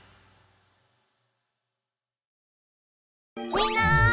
みんな！